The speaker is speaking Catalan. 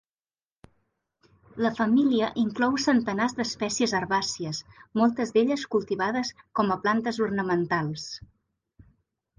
La família inclou centenars d'espècies herbàcies, moltes d'elles cultivades com a plantes ornamentals.